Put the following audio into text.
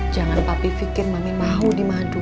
jangan papi pikir mami mau dimadu